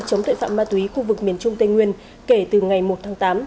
chống tội phạm ma túy khu vực miền trung tây nguyên kể từ ngày một tháng tám